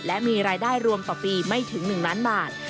และมีรายได้รวมต่อปีไม่ถึง๑ล้านบาท